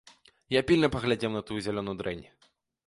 Я пільна паглядзеў на тую зялёную дрэнь.